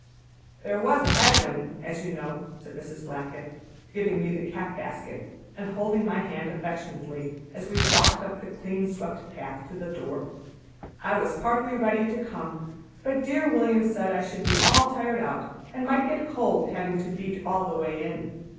"There was a head wind, as you know," said Mrs. Blackett, giving me the cap basket, and holding my hand affectionately as we walked up the clean swept path to the door. "I was partly ready to come, but dear William said I should be all tired out and might get cold, havin' to beat all the way in.